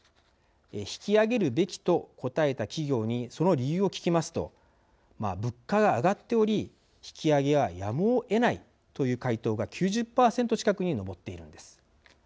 引き上げるべきと答えた企業にその理由を聞きますと物価が上がっており引き上げはやむをえないという回答が９０％近くに上っているのです。